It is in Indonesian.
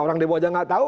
orang demo saja tidak tahu